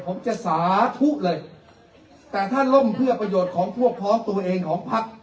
ผมจะสาธุเลยแต่ถ้าล่มเพื่อประโยชน์ของพวกพ้องตัวเองของพัก